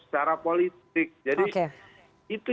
secara politik jadi